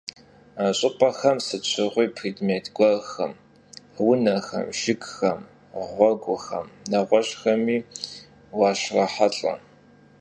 Ş'ıp'exem sıt şığui prêdmêt guerxem — vunexem, jjıgxem, ğueguxem, neğueş'xemi vuaşrohelh'e.